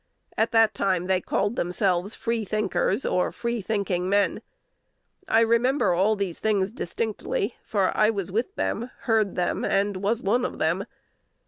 At that time they called themselves free thinkers, or free thinking men. I remember all these things distinctly; for I was with them, heard them, and was one of them.